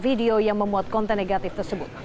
video yang memuat konten negatif tersebut